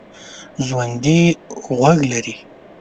ژوندي غوږ لري